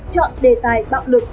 chọn đề tài bạo lực để khai thác